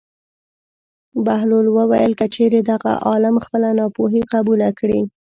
بهلول وویل: که چېرې دغه عالم خپله ناپوهي قبوله کړي.